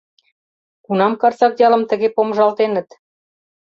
Кунам Карсак ялым тыге помыжалтеныт?